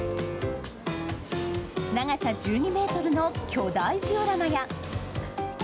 長さ１２ｍの巨大ジオラマや。